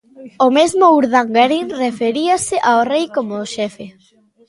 O mesmo Urdangarín referíase ao rei como o xefe.